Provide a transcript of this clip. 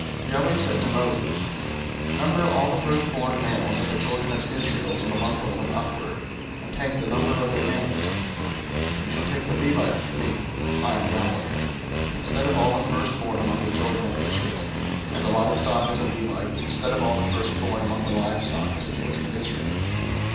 003:040 Yahweh said to Moses, "Number all the firstborn males of the children of Israel from a month old and upward, and take the number of their names. 003:041 You shall take the Levites for me (I am Yahweh) instead of all the firstborn among the children of Israel; and the livestock of the Levites instead of all the firstborn among the livestock of the children of Israel."